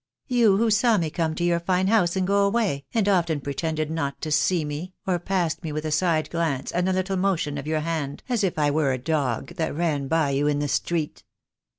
You who saw me come to your fine house The Day will come. II. 1 5 2 26 THE DAY WILL COME. and go away, and often pretended not to see me, or passed me with a side glance and a little motion of your hand as if I were a dog that ran by you in the street.